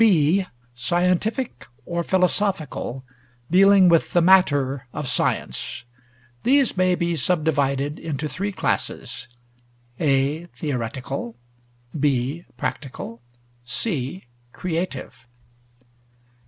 B. Scientific or Philosophical, dealing with the matter of science. These may be subdivided into three classes: (a) Theoretical, (b) Practical, (c) Creative.